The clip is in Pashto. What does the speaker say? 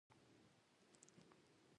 افغانستان د خپلو ژبو له مخې پېژندل کېږي.